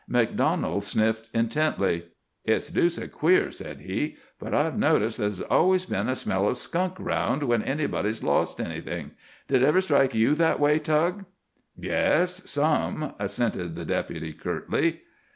MacDonald sniffed intently. "It's deuced queer," said he, "but I've noticed that there's always been a smell of skunk round when anybody's lost anything. Did it ever strike you that way, Tug?" "Yes, some!" assented the Deputy curtly.